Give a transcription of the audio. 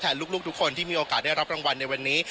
ลูกทุกคนที่มีโอกาสได้รับรางวัลในวันนี้